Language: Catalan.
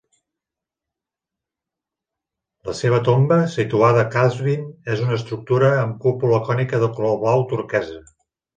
La se va tomba, situada a Qazvin, és una estructura amb cúpula cònica de color blau turquesa.